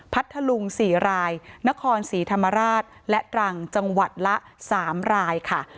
พัทธลุง๔รายนครศรีธรรมราชและตรังจังหวัดละ๓รายค่ะ